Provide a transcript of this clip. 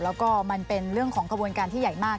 แล้วก็มันเป็นเรื่องของขบวนการที่ใหญ่มาก